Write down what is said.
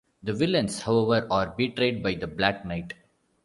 The villains, however, are betrayed by the Black Knight.